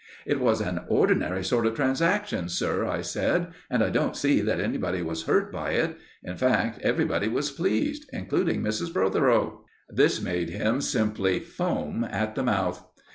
"It was an ordinary sort of transaction, sir," I said, "and I don't see that anybody was hurt by it. In fact, everybody was pleased, including Mrs. Protheroe." This made him simply foam at the mouth.